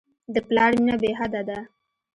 د پلار مینه بېحده ده.